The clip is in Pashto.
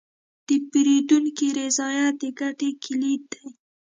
د پیرودونکي رضایت د ګټې کلید دی.